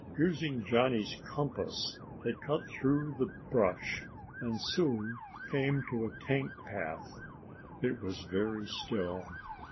Using Johnny's compass they cut through the brush and soon came to a tank path. It was very still.